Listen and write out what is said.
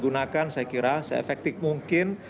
gunakan saya kira se efektif mungkin